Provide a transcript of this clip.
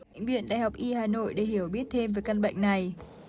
bệnh viện đại học y hà nội để hiểu biết thêm về căn bệnh này